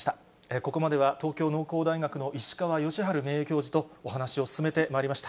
ここまでは東京農工大学の石川芳治名誉教授とお話を進めてまいりました。